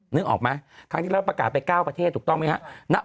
นึกออกไหมครั้งที่แล้วประกาศไป๙ประเทศถูกต้องไหมครับ